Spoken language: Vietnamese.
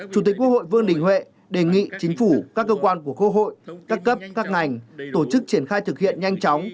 chủ tịch quốc hội vương đình huệ đề nghị chính phủ các cơ quan của quốc hội các cấp các ngành tổ chức triển khai thực hiện nhanh chóng